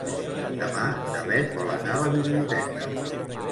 Demà na Beth vol anar a la biblioteca.